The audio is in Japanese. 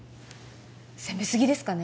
攻めすぎですかね？